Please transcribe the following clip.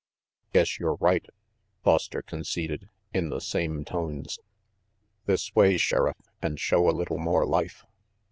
"Guess you're right," Foster conceded, in the same tones. " This way, Sheriff, and show a little more life."